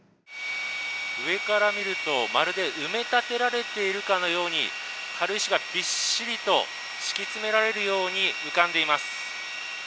上から見るとまるで埋め立てられているかのように軽石がびっしりと敷き詰められるように浮かんでいます。